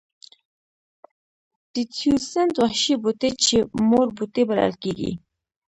د تیوسینټ وحشي بوټی چې مور بوټی بلل کېږي.